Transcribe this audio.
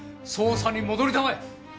捜査に戻りたまえ！